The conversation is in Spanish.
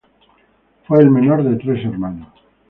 Fue el menor de tres hermanos.